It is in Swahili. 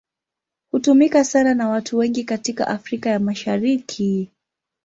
Hutumika sana na watu wengi katika Afrika ya Mashariki.